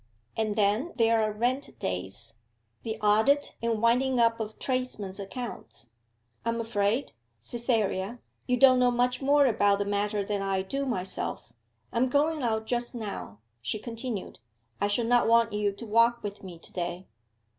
And then there are rent days, the audit and winding up of tradesmen's accounts. I am afraid, Cytherea, you don't know much more about the matter than I do myself.... I am going out just now,' she continued. 'I shall not want you to walk with me to day.